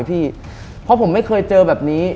พี่เพราะผมไม่เคยเจอแบบนี้